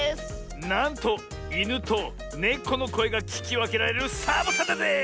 なんといぬとねこのこえがききわけられるサボさんだぜえ！